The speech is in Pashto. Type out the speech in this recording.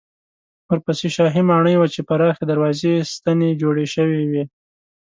ورپسې شاهي ماڼۍ وه چې پراخې دروازې یې ستنې جوړې شوې وې.